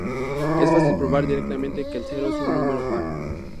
Es fácil probar directamente que el cero es un número par.